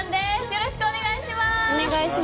よろしくお願いします。